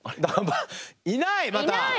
いないまた！